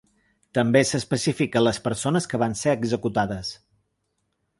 També s’especifica les persones que van ser executades.